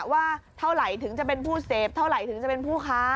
ว่าเท่าไหร่ถึงจะเป็นผู้เสพเท่าไหร่ถึงจะเป็นผู้ค้า